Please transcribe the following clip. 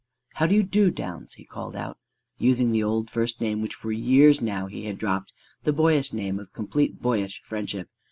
"How do you do, Downs?" he called out, using the old first name which for years now he had dropped, the boyish name of complete boyish friendship.